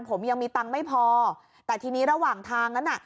ผมยังมีตังค์ไม่พอแต่ทีนี้ระหว่างทางนั้นน่ะ